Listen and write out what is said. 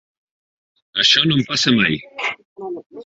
Això no em passa mai.